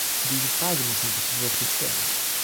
Diese Frage muss man sich wirklich stellen.